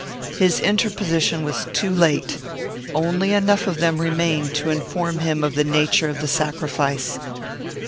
His interposition was too late. Only enough of them remained to inform him of the nature of the sacrifice.